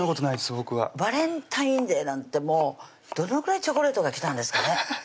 僕はバレンタインデーなんてもうどのぐらいチョコレートが来たんですかね